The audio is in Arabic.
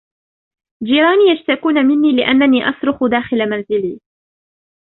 جيراني يشتكون مني للانني آصرخ داخل منزلي.